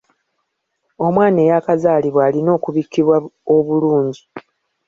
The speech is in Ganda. Omwana eyakazaalibwa alina okubikkibwa obulungi.